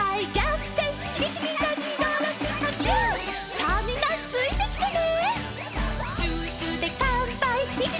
さあみんなついてきてね。